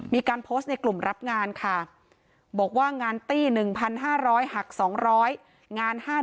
มีการโพสต์ในกลุ่มรับงานค่ะ